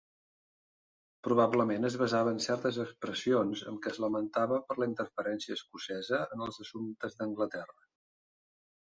Probablement es basava en certes expressions amb què es lamentava per la interferència escocesa en els assumptes d'Anglaterra.